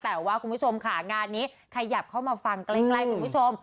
แต่ว่าคุณผู้ชมค่ะงานนี้ขยับเข้ามาฟังใกล้คุณผู้ชม